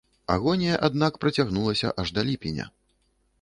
Агонія аднак працягнулася аж да ліпеня.